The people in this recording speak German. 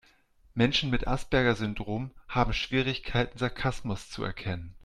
Menschen mit Asperger-Syndrom haben Schwierigkeiten, Sarkasmus zu erkennen.